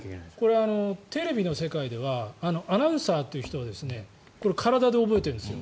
これ、テレビの世界ではアナウンサーという人が体で覚えてるんですよ。